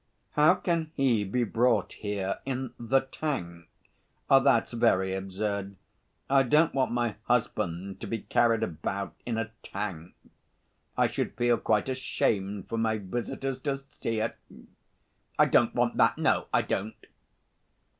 "How can he be brought here in the tank? That's very absurd. I don't want my husband to be carried about in a tank. I should feel quite ashamed for my visitors to see it.... I don't want that, no, I don't."